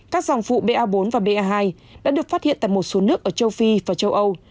các dòng phụ ba bốn và ba hai đã được phát hiện tại một số nước ở châu phi và châu âu